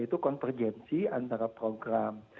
yaitu konvergensi antara program